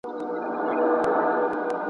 چي چاره د دې قاتل وکړي پخپله!